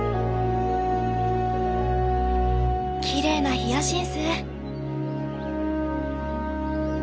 きれいなヒヤシンス。